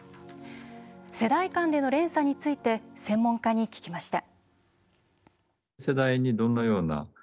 世代間での連鎖について専門家に聞きました。